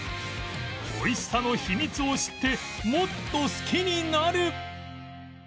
おいしさの秘密を知ってもっと好きになる！